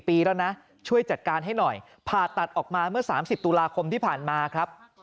ปีแล้วนะช่วยจัดการให้หน่อยผ่าตัดออกมาเมื่อ๓๐ตุลาคมที่ผ่านมาครับ